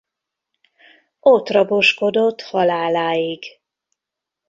Ott raboskodott haláláig.